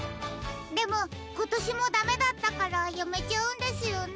でもことしもダメだったからやめちゃうんですよね。